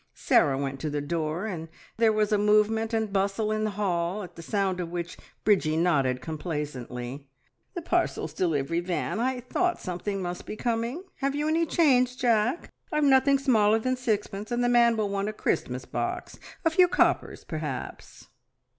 Sarah went to the door, and there was a movement and bustle in the hall, at the sound of which Bridgie nodded complacently. "The Parcels Delivery van! I thought something must be coming. Have you any change, Jack? I've nothing smaller than sixpence, and the man will want a Christmas box a few coppers, perhaps."